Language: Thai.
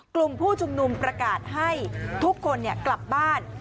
กลุ่มผู้ชุมนุมประกาศให้ทุกคนกลับบ้าน